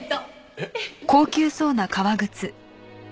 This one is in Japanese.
えっ？